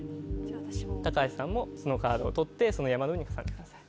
橋さんもそのカードを取って山の上に重ねてください。